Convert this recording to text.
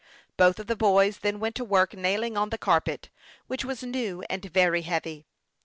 Both of the boys then went to work nailing on the carpet, which was new and very heavy.